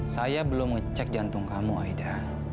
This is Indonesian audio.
saya belum ngecek jantung kamu aida